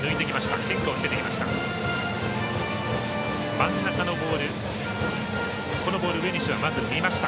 真ん中のボールこのボールを植西はまず見ました。